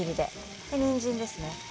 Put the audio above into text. そして、にんじんですね。